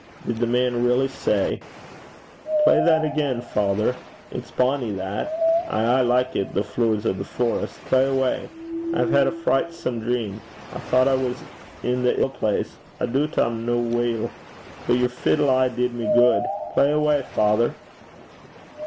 Did the man really say, 'Play that again, father. It's bonnie, that! I aye likit the Flooers o' the Forest. Play awa'. I hae had a frichtsome dream. I thocht I was i' the ill place. I doobt I'm no weel. But yer fiddle aye did me gude. Play awa', father!'